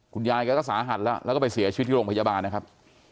แกก็สาหัสแล้วแล้วก็ไปเสียชีวิตที่โรงพยาบาลนะครับ